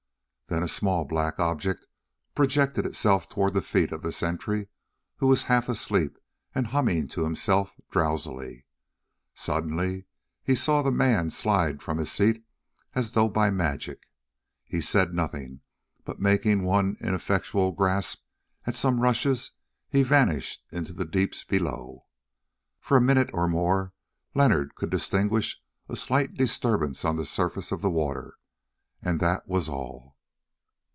Then a small black object projected itself towards the feet of the sentry, who was half asleep and humming to himself drowsily. Suddenly he saw the man slide from his seat as though by magic. He said nothing, but making one ineffectual grasp at some rushes, he vanished into the deeps below. For a minute or more Leonard could distinguish a slight disturbance on the surface of the water, and that was all.